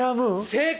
正解！